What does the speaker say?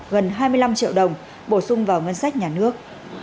gần hai mươi năm triệu đồng bổ sung vào ngân sách nhà nước